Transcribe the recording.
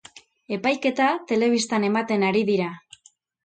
Epaiketa telebistan ematen ari dira.